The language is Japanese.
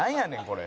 これ。